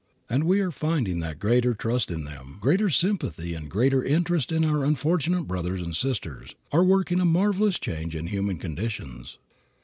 And we are finding that greater trust in them, greater sympathy and greater interest in our unfortunate brothers and sisters, are working a marvelous change in human conditions.